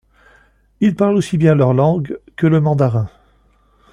Ils parlent aussi bien leur langue que le mandarin.